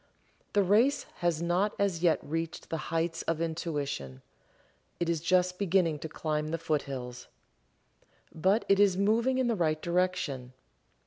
The race has not as yet reached the heights of Intuition it is just beginning to climb the foothills. But it is moving in the right direction.